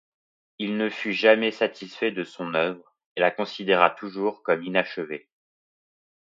Il ne fut jamais satisfait de son œuvre et la considéra toujours comme inachevée.